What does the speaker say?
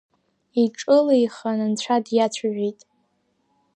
Иҿылеихан Анцәа диацәажәеит…